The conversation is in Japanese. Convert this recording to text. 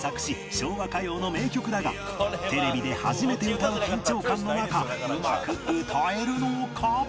昭和歌謡の名曲だがテレビで初めて歌う緊張感の中うまく歌えるのか？